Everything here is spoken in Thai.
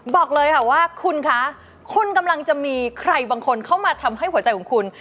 บอกเลยค่ะว่าคุณคะคุณกำลังจะมีใครบางคนเข้ามาทำให้หัวใจของคุณ